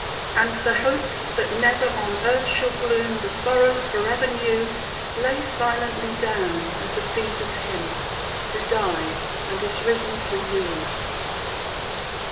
And the hopes that never on earth shall bloom, The sorrows forever new, Lay silently down at the feet of Him Who died and is risen for you.